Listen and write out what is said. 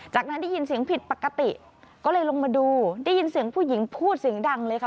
จากนั้นได้ยินเสียงผิดปกติก็เลยลงมาดูได้ยินเสียงผู้หญิงพูดเสียงดังเลยค่ะ